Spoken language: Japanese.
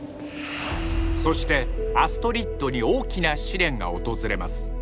そしてアストリッドに大きな試練が訪れます